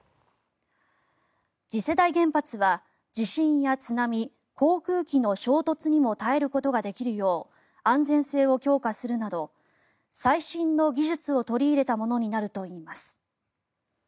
次世代原発は地震や津波航空機の衝突にも耐えることができるよう安全性を強化するなど最新の技術を取り入れたものになるといいます。